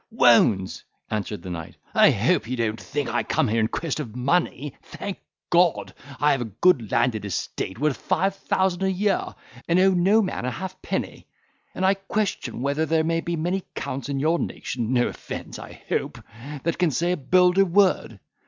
"Waunds!" answered the knight, "I hope you don't think I come here in quest of money. Thank God! I have a good landed estate worth five thousand a year, and owe no man a halfpenny; and I question whether there be many counts in your nation—no offence, I hope—that can say a bolder word.